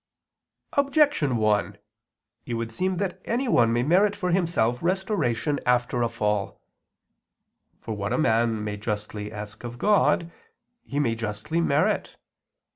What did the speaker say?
Objection 1: It would seem that anyone may merit for himself restoration after a fall. For what a man may justly ask of God, he may justly merit.